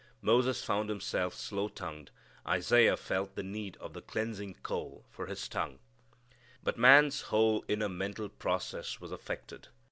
Moses found himself slow tongued. Isaiah felt the need of the cleansing coal for his tongue. But man's whole inner mental process was affected.